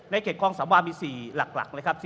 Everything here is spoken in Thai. ในเกตกรองสัมวาลมี๔หลักเลยครับ